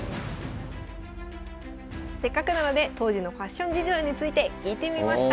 せっかくなので当時のファッション事情について聞いてみました。